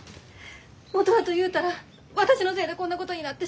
元はと言うたら私のせいでこんなことになってしもうて。